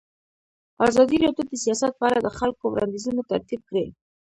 ازادي راډیو د سیاست په اړه د خلکو وړاندیزونه ترتیب کړي.